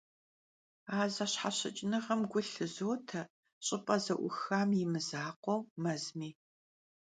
A zeşheşıç'ınığem gu şılhote ş'ıp'e ze'uxam yi mızakhueu, mezmi.